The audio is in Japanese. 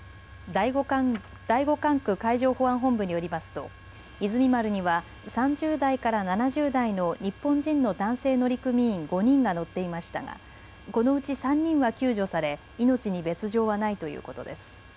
第５管区海上保安本部によりますといずみ丸には３０代から７０代の日本人の男性乗組員５人が乗っていましたがこのうち３人は救助され命に別状はないということです。